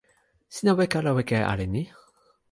sina weka ala weka e ale ni?